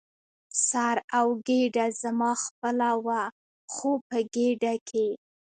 سر او ګېډه زما خپله وه، خو په ګېډه کې.